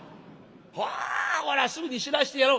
あこらすぐに知らしてやろう」。